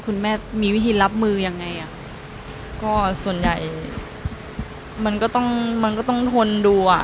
คุณแม่มีวิธีรับมือยังไงส่วนใหญ่มันก็ต้องทนดู